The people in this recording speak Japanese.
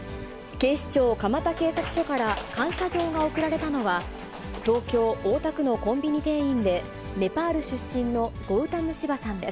警視庁蒲田警察署から感謝状が贈られたのは、東京・大田区のコンビニ店員でネパール出身のゴウタム・シバさんです。